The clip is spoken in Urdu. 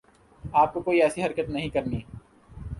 آپ کو کوئی ایسی حرکت نہیں کرنی